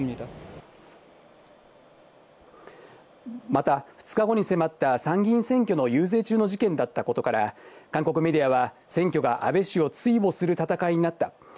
また２日後に迫った参議院選挙の遊説中の事件だったことから、韓国メディアは、選挙が安倍氏を追慕する戦いになった。